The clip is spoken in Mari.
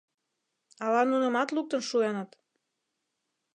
Ала нунымат луктын шуэныт?